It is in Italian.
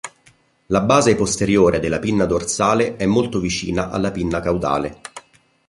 La base posteriore della pinna dorsale è molto vicina alla pinna caudale.